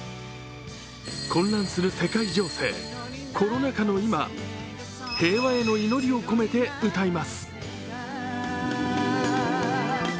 混乱する世界情勢コロナ禍の今、平和への祈りを込めて歌います。